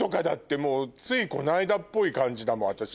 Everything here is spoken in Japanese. ついこの間っぽい感じだもん私。